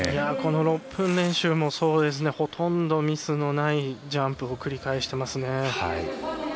この６分練習もそうですがほとんどミスのないジャンプを繰り返していますね。